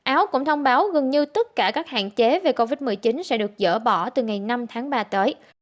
áo cũng thông báo gần như tất cả các hạn chế về covid một mươi chín sẽ được dỡ bỏ từ ngày năm tháng ba tới